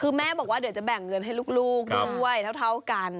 คือแม่บอกว่าเดี๋ยวจะแบ่งเงินให้ลูกด้วยเท่ากัน